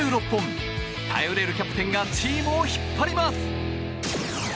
頼れるキャプテンがチームを引っ張ります。